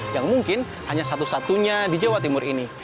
yang mungkin hanya satu satunya di jawa timur ini